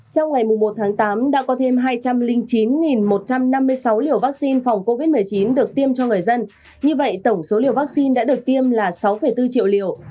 trong ngày một tháng tám đã có thêm hai trăm linh chín một trăm năm mươi sáu liều vaccine phòng covid một mươi chín được tiêm cho người dân như vậy tổng số liều vaccine đã được tiêm là sáu bốn triệu liều